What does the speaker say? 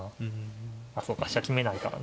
あそうか飛車決めないから。